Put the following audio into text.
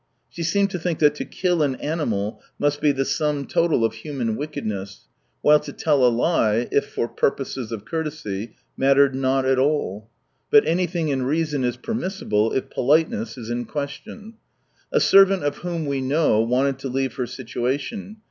She seemed to think that to kill an animal must be the sum total of human wickedness, while to tell a He, if for purposes of courtesy, mattered not at all. But anything in reason is permissible, if politeness is in question. A servant of whom we know, wanted to leave her situation.